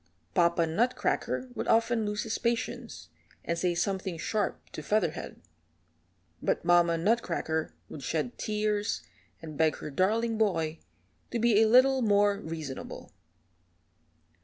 Papa Nutcracker would often lose his patience, and say something sharp to Featherhead, but Mamma Nutcracker would shed tears, and beg her darling boy to be a little more reasonable.